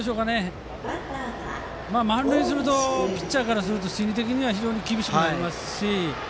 満塁にするとピッチャーからすると心理的には非常に厳しくなりますし